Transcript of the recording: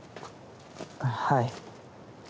はい。